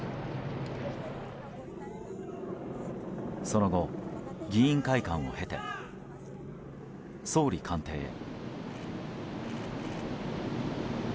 その後、議員会館を経て総理官邸へ。